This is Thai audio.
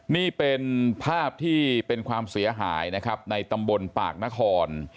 นี่เป็นภาพที่เป็นความเสียหายนะครับในตำบลปากนคร